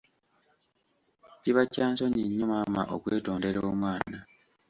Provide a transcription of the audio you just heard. Kiba kya nsonyi nnyo maama okwetondera omwana.